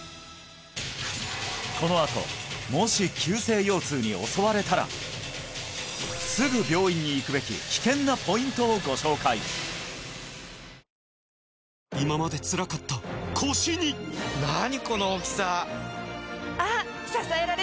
このあともし急性腰痛に襲われたらすぐ病院に行くべき危険なポイントをご紹介危険な病気による急性腰痛とは一体？